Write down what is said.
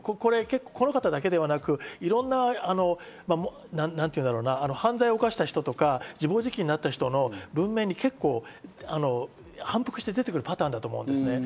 この方だけではなく、いろんな犯罪を犯した人とか、自暴自棄になった人の文面に結構、反復して出てくるパターンだと思う。